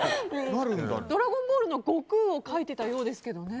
「ドラゴンボール」の悟空を描いていたようですけどね。